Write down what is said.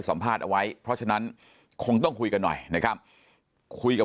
สัมภาษณ์เอาไว้เพราะฉะนั้นคงต้องคุยกันหน่อยนะครับคุยกับ